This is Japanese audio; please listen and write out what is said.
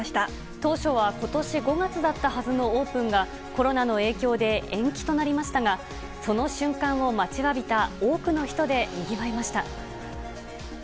当初はことし５月だったはずのオープンが、コロナの影響で延期となりましたが、その瞬間を待ちわびた多くの人でにぎわいました。